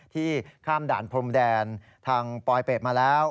ที่ข้ามด่านพรมแดนทางปลอยเป็ดมาแล้ว